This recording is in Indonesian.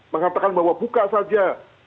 mengatakan bahwa buka saja